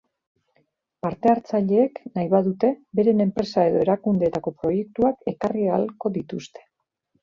Parte-hartzaileek, nahi badute, beren enpresa edo erakundeetako proiektuak ekarri ahalko dituzte.